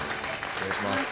お願いします。